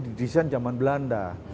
didesain zaman belanda